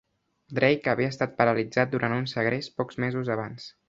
Drake havia estat paralitzat durant un segrest pocs mesos abans.